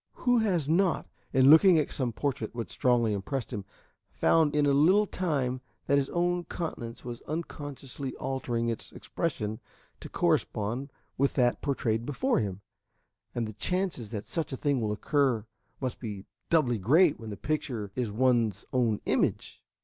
Who has not, in looking at some portrait which strongly impressed him, found in a little time that his own countenance was unconsciously altering its expression to correspond with that portrayed before him; and the chances that such a thing will occur must be doubly great when the picture is one's own image.